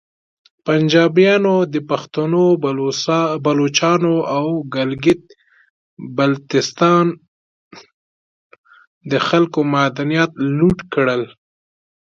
پنجابیانو د پختنو، بلوچانو او ګلګیت بلتیستان د خلکو معدنیات لوټ کړل